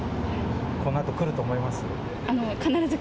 このあと、くると思います？